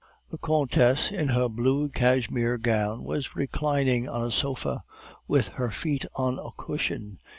"The countess, in her blue cashmere gown, was reclining on a sofa, with her feet on a cushion.